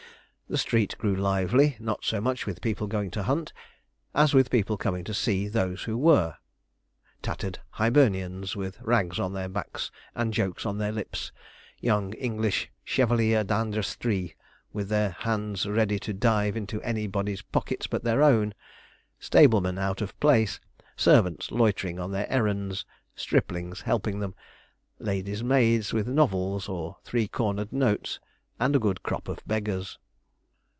The street grew lively, not so much with people going to hunt, as with people coming to see those who were. Tattered Hibernians, with rags on their backs and jokes on their lips; young English chevaliers d'industrie, with their hands ready to dive into anybody's pockets but their own; stablemen out of place, servants loitering on their errands, striplings helping them, ladies' maids with novels or three corner'd notes, and a good crop of beggars.